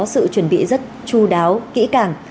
sự chuẩn bị rất chú đáo kỹ càng